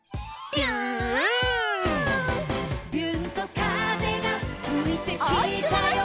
「びゅーんと風がふいてきたよ」